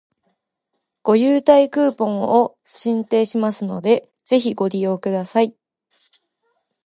ご優待クーポンを進呈いたしますので、ぜひご利用ください